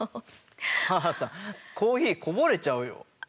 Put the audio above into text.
母さんコーヒーこぼれちゃうよ。